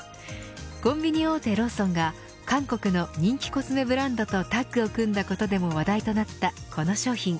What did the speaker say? コンビニ大手ローソンが韓国の人気コスメブランドとタッグを組んだことでも話題となったこの商品。